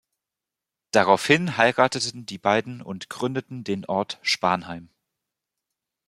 Daraufhin heirateten die beiden und gründeten den Ort Spanheim.